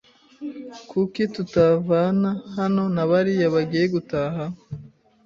Kuki tutavana hano nabariya bagiye gutaha?